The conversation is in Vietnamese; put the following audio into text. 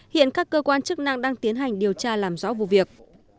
hiện các cơ quan chức năng đang tiến hành điều tra làm rõ vụ việc